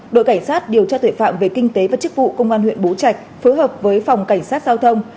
đội cảnh sát điều tra tội phạm về kinh tế và chức vụ công an huyện bố trạch phối hợp với phòng cảnh sát giao thông